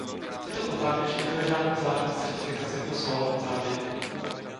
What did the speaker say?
Tito potápěči neměli žádnou zvláštní certifikaci pro sólo potápění.